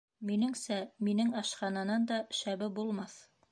Минеңсә, минең ашхананан да шәбе булмаҫ.